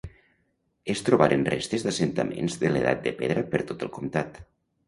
Es trobaren restes d'assentaments de l'Edat de Pedra per tot el comtat.